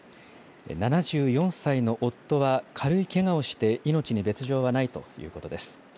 ７４歳の夫は軽いけがをして命に別状はないということです。